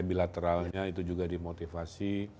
bilateralnya itu juga dimotivasi